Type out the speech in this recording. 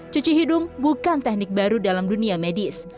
cuci hidung bukan teknik baru dalam dunia medis